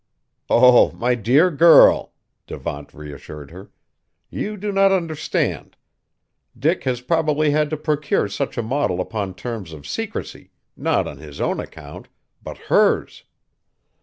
"Oh! my dear girl!" Devant reassured her, "you do not understand. Dick has probably had to procure such a model upon terms of secrecy, not on his own account, but hers!